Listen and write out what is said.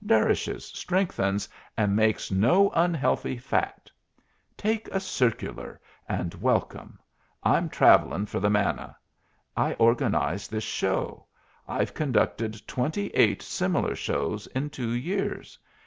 Nourishes, strengthens, and makes no unhealthy fat. Take a circular, and welcome. I'm travelling for the manna. I organized this show. I've conducted twenty eight similar shows in two years.